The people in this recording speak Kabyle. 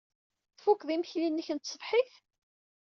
Tfukeḍ imekli-nnek n tṣebḥit?